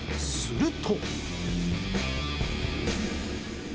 すると。